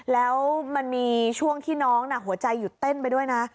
แล้วมันมีช่วงที่น้องหัวใจหยุดเต้นไปด้วยนะ